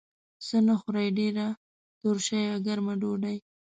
څه نه خورئ؟ ډیره تروشه یا ګرمه ډوډۍ